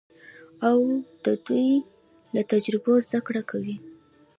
او د دوی له تجربو زده کړه کوي.